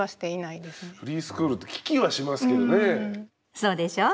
そうでしょう。